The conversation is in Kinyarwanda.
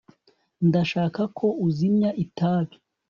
ndashaka ko uzimya itabi